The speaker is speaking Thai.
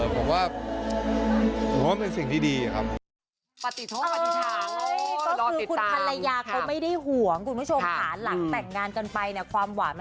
ผมว่าผมว่าเป็นสิ่งที่ดีครับ